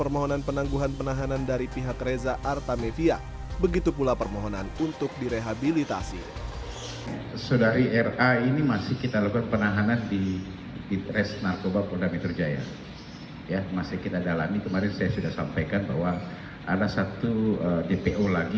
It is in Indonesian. masih kita dalami kemarin saya sudah sampaikan bahwa ada satu dpo lagi